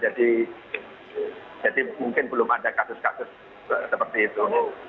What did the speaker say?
jadi mungkin belum ada kasus kasus seperti itu